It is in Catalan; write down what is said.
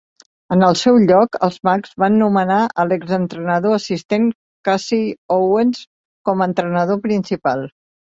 En el seu lloc, els mags van nomenar a l'ex-entrenador assistent Casey Owens com a entrenador principal.